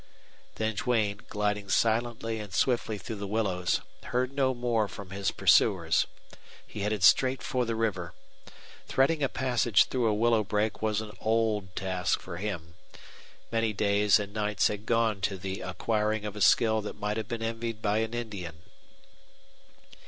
Then Duane, gliding silently and swiftly through the willows, heard no more from his pursuers. He headed straight for the river. Threading a passage through a willow brake was an old task for him. Many days and nights had gone to the acquiring of a skill that might have been envied by an Indian.